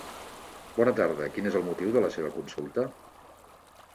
Bona tarda, quin és el motiu de la seva consulta?